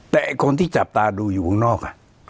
แต่ไอ้คนที่จับตาดูอยู่ข้างนอก